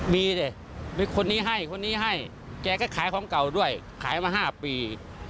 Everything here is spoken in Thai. มีดิมีคนนี้ให้คนนี้ให้แกก็ขายของเก่าด้วยขายมา๕ปี